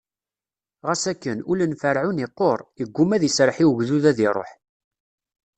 Ɣas akken, ul n Ferɛun iqqur, iggumma ad iserreḥ i ugdud ad iṛuḥ.